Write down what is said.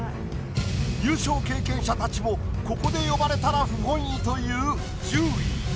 優勝経験者たちもここで呼ばれたら不本意という１０位。